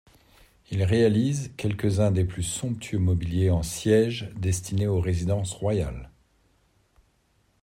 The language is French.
Il réalise quelques-uns des plus somptueux mobiliers en sièges destinés aux résidences royales.